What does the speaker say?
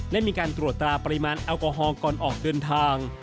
ได้มีการตรวจตราปริมาณแอลกอฮอลก่อนออกเดินทาง